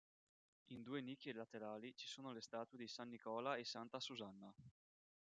In due nicchie laterali ci sono le statue di san Nicola e santa Susanna.